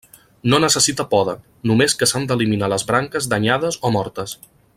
No necessita poda, només que s'han d'eliminar les branques danyades o mortes.